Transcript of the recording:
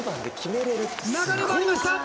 流れもありました。